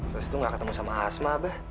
pasti dia gak ketemu sama asma